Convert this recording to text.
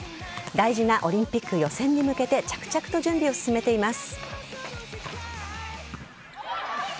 大事なオリンピック予選に向けて着々と準備を進めています。